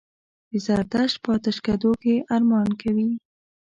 د زردشت په آتشکدو یې ارمان کوي.